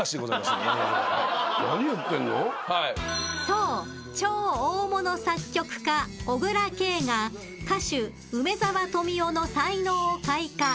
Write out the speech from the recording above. ［そう超大物作曲家小椋佳が歌手梅沢富美男の才能を開花］